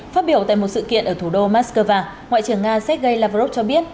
phát biểu tại một sự kiện ở thủ đô moscow ngoại trưởng nga sergei lavrov cho biết